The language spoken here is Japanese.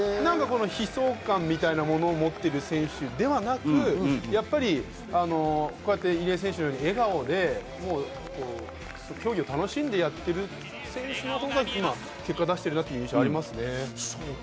悲愴感みたいなもの持ってる選手ではなく、入江選手のように笑顔で競技を楽しんでやっている選手のほうが結果を出しているなという印象がありますね。